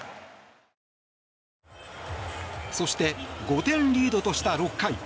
そして５点リードとした６回。